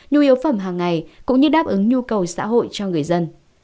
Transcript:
nhu yếu phẩm hàng ngày cũng như đáp ứng nhu cầu xã hội cho người dân